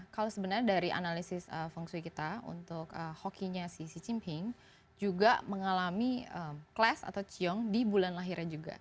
kalau sebenarnya dari analisis feng shui kita untuk hokinya xi jinping juga mengalami clash atau ciong di bulan lahirnya juga